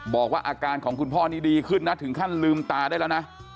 บอกว่าอาการของคุณพ่อนี่ดีขึ้นนะถึงขั้นลืมตาได้แล้วนะ